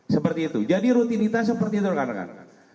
seperti itu jadi rutinitas seperti itu rekan rekan rekan